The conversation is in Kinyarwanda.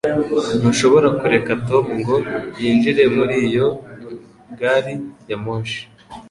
Ntushobora kureka Tom ngo yinjire muri iyo gari ya moshi